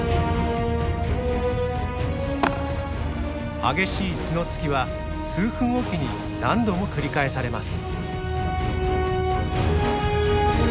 激しい角突きは数分置きに何度も繰り返されます。